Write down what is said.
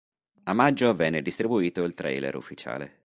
A maggio venne distribuito il trailer ufficiale.